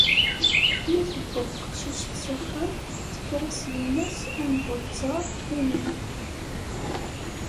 Mi tuweḍ teqcict s axxam, tekker-as yemma-s am bu ttar, imi